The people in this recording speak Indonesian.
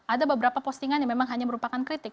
ada beberapa postingan yang memang hanya merupakan kritik